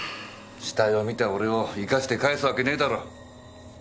死体を見た俺を生かして帰すわけねえだろ。